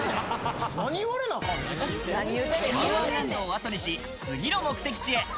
わんわんランドを後にし次の目的地へ。